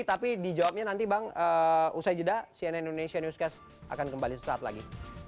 tapi dijawabnya nanti bang usai jeda cnn indonesia newscast akan kembali sesaat lagi